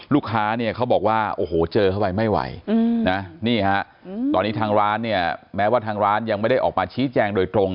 ลูกค้าเนี่ยเขาบอกว่าโอ้โหเจอเข้าไปไม่ไหวนะนี่ฮะตอนนี้ทางร้านเนี่ยแม้ว่าทางร้านยังไม่ได้ออกมาชี้แจงโดยตรง